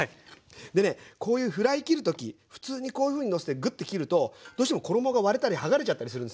でねこういうフライ切る時普通にこういうふうにのせてグッて切るとどうしても衣が割れたり剥がれちゃったりするんですね。